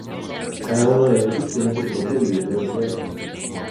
Cada uno de ellos tiene su propio vídeo de cierre.